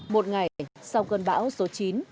một ngày sau cơn bão số chín